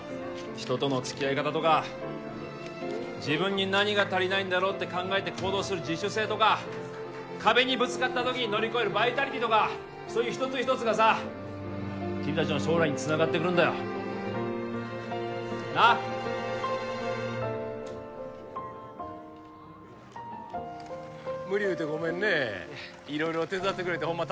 人との付き合い方とか自分に何が足りないんだろうって考えて行動する自主性とか壁にぶつかった時に乗り越えるバイタリティーとかそういう一つ一つがさ君達の将来につながってくるんだよなっ無理言うてごめんね色々手伝ってくれてホンマ